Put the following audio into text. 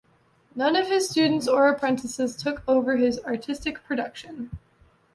None of his students or apprentices took over his artistic production.